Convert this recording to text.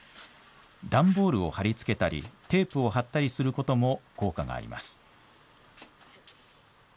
段ボールを貼り付けたりテープを貼ったりすることも効果があります。